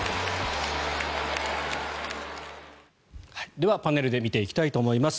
では、パネルで見ていきたいと思います。